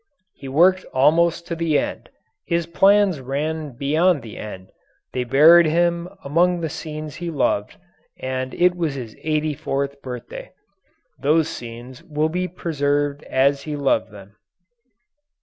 He worked almost to the end. His plans ran beyond the end. They buried him amid the scenes he loved, and it was his eighty fourth birthday. Those scenes will be preserved as he loved them.